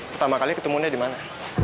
pertama kali ketemu dia di mana